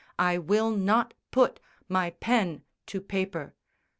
I will not put My pen to paper."